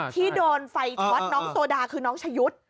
ที่โดนไฟช็อตน้องโซดาคือน้องชายุทธ์